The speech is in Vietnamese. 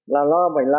là lo bảnh lai